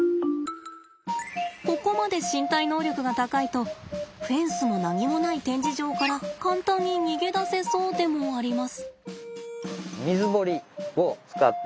ここまで身体能力が高いとフェンスも何もない展示場から簡単に逃げ出せそうでもあります。